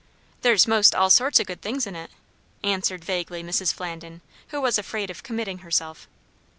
"There's most all sorts o' good things in it," answered vaguely Mrs. Flandin, who was afraid of committing herself.